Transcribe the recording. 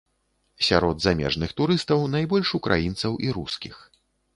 Сярод замежных турыстаў найбольш украінцаў і рускіх.